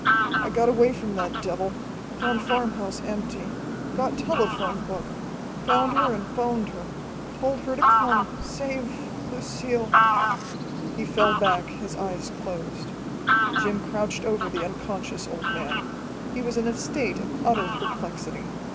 I got away from that devil, found farmhouse empty, got telephone book, found her and 'phoned her. Told her to come. Save Lucille!" He fell back, his eyes closed. Jim crouched over the unconscious old man. He was in a state of utter perplexity.